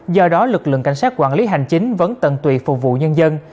do đó lực lượng cảnh sát quản lý hành chính vẫn tận tụy phục vụ nhân dân